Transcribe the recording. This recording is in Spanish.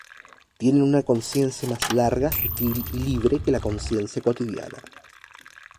Tienen una conciencia más larga, sutil y libre que la conciencia cotidiana.